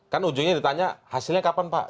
kan ujungnya ditanya hasilnya kapan pak